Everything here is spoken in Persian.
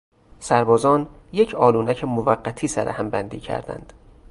سربازان یک آلونک موقتی سرهم بندی کردند.